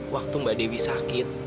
waktu mbak dewi sakit